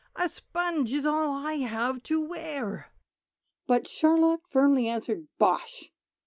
"A sponge is all I have to wear!" But Charlotte firmly answered "Bosh!"